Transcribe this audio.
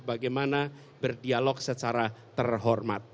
bagaimana berdialog secara terhormat